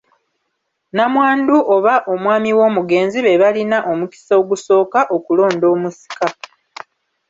Namwandu oba omwami w’omugenzi be balina omukisa ogusooka okulonda omusika.